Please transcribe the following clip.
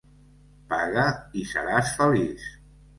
Paga i seràs feliç.